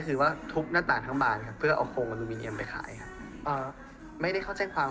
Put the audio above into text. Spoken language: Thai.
ก็คือว่าทุบหน้าต่างทั้งบานครับเพื่อเอาโฮลอินมีเลียนไปขายครับ